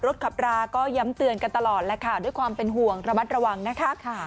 ขับราก็ย้ำเตือนกันตลอดแล้วค่ะด้วยความเป็นห่วงระมัดระวังนะคะ